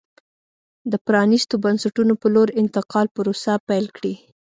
د پرانېستو بنسټونو په لور انتقال پروسه پیل کړي.